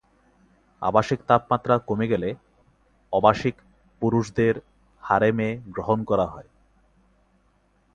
আবাসিক তাপমাত্রা কমে গেলে অবাসিক পুরুষদের হারেমে গ্রহণ করা হয়।